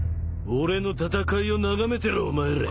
俺の戦いを眺めてろお前ら。